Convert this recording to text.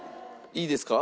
いいですか？